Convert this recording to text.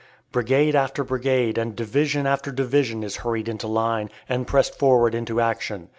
Brigade after brigade and division after division is hurried into line, and pressed forward into action.